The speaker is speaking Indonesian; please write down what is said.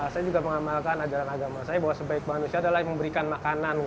saya juga mengamalkan ajaran agama saya bahwa sebaik manusia adalah memberikan makanan